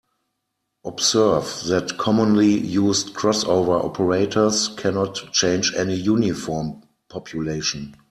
Observe that commonly used crossover operators cannot change any uniform population.